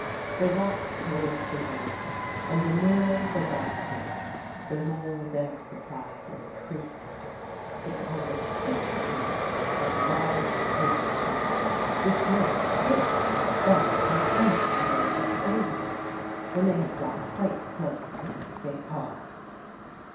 They walked towards the wood, and the nearer they got to it the more their surprise increased. It was a thick wood of large oak trees which must certainly have been a hundred years old. When they had got quite close to it they paused.